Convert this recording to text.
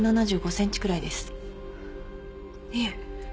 いえ。